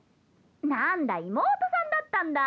なんだ妹さんだったんだ。